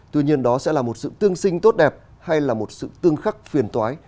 tuy nhiên đó sẽ là một sự tương sinh tốt đẹp hay là một sự tương khắc phiền tói